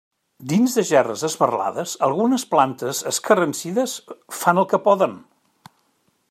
Dins de gerres esberlades algunes plantes escarransides fan el que poden.